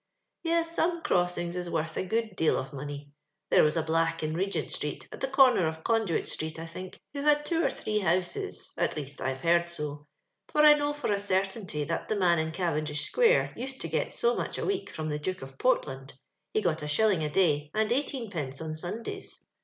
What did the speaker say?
" Yes, some crossings is worth a good deal of money. There was a black in Regent street, at the comer of Conduit strt>et, I think, who had two or three houses — at least, I've heard so ; and I know for a cortointy that the man in Cavendish square used to get so much a week from the Duke of Portland — he got a shilling a day, and eightcenpence on Sundays.